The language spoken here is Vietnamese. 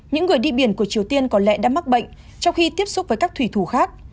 những người đi biển của triều tiên có lẽ đã mắc bệnh trong khi tiếp xúc với các thủy thủ khác